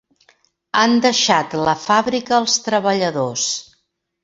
Han deixat la fàbrica als treballadors.